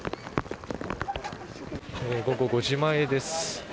午後５時前です。